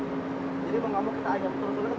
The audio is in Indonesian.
jadi mengamuk kita ayam terus terusan